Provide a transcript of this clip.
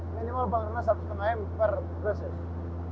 minimal bangunan satu lima m per proses